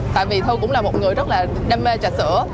tại vì thư cũng là một người rất là đam mê trà sữa